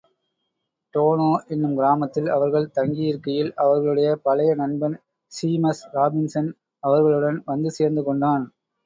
டோனோ என்னும் கிராமத்தில் அவர்கள் தங்கியிருக்கையில் அவர்களுடைய பழைய நண்பன் ஸீமஸ் ராபின்ஸன் அவர்களுடன் வந்து சேர்ந்து கொண்டான்.